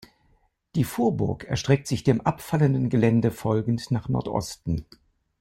Die Vorburg erstreckt sich dem abfallenden Gelände folgend nach Nordosten.